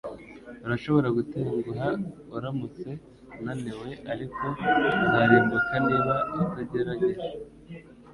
Urashobora gutenguha uramutse unaniwe, ariko uzarimbuka niba utagerageje.”